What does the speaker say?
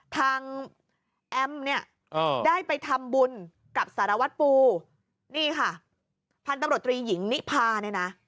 แอมเนี่ยได้ไปทำบุญกับสารวัตรปูนี่ค่ะพันธุ์ตำรวจตรีหญิงนิพาเนี่ยนะ